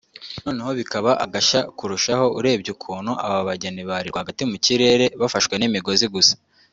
noneho bikaba agashya kurushaho urebye ukuntu aba bageni bari rwagati mu kirere bafashwe n’imigozi gusa